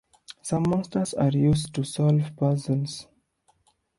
Some monsters are used to solve puzzles.